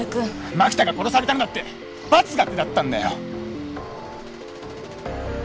槙田が殺されたのだって罰が下ったんだよ！